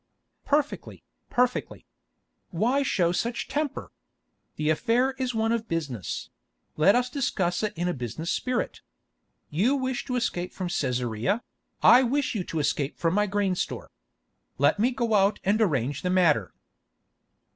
"Perfectly, perfectly. Why show such temper? The affair is one of business; let us discuss it in a business spirit. You wish to escape from Cæsarea; I wish you to escape from my grain store. Let me go out and arrange the matter."